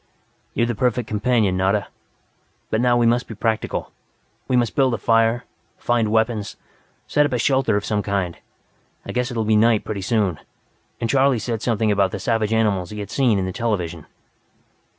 "You're the perfect companion, Nada.... But now we must be practical. We must build a fire, find weapons, set up a shelter of some kind. I guess it will be night, pretty soon. And Charley said something about savage animals he had seen in the television.